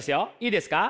いいですか？